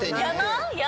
山？